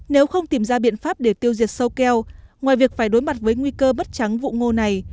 nếu không tìm ra biện pháp để tiêu diệt sâu keo ngoài việc phải đối mặt với nguy cơ bất trắng vụ ngô này